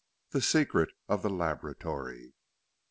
THE SECRET OF THE LABORATORY.